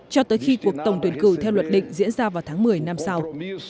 cho tới khi cuộc tổng tuyển cử theo luật định diễn ra vào tháng một mươi năm sau